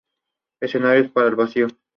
Informes de conducta de carlistas.